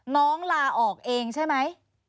น้องลาออกเองใช่ไหม